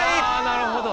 なるほど！